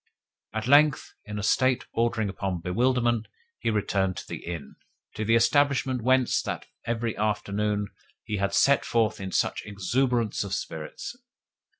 At length, in a state bordering upon bewilderment, he returned to the inn to the establishment whence, that every afternoon, he had set forth in such exuberance of spirits.